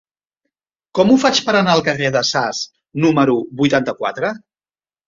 Com ho faig per anar al carrer de Sas número vuitanta-quatre?